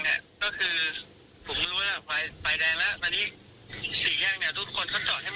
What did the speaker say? ก็คือผมรู้ว่าไฟแดงแล้วโดยทุกคนเขาเจาะให้หมดแล้ว